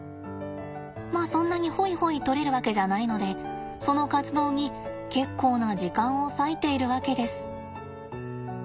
まあそんなにホイホイ取れるわけじゃないのでその活動に結構な時間を割いているわけです。